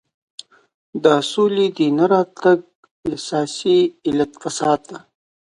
د سولې د نه راتګ اساسي علت فساد دی.